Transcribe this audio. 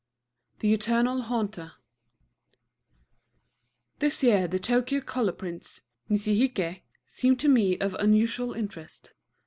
The Eternal Haunter This year the Tōkyō color prints Nishiki è seem to me of unusual interest.